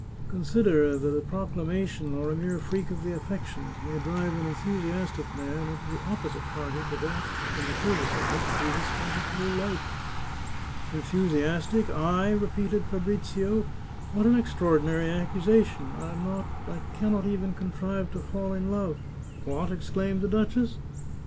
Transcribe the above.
" Consider that a proclamation, or a mere freak of the affections, may drive an enthusiastic man into the opposite party to that in the service of which he has spent his whole life." " Enthusiastic ! I !" repeated Fabrizio. " What an ex traordinary accusation! I can not even contrive to fall in love!" 126 The Chartreuse of Parma " What !" exclaimed the duchess.